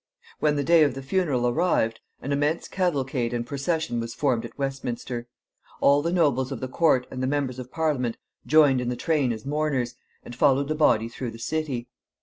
When the day of the funeral arrived, an immense cavalcade and procession was formed at Westminster. All the nobles of the court and the members of Parliament joined in the train as mourners, and followed the body through the city.